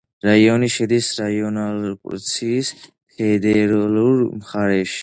რაიონი შედის რაინლანდ-პფალცის ფედერალურ მხარეში.